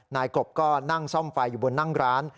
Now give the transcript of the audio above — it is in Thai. นายกบก็นั่งซ่อมไฟอยู่บนนั่งร้าน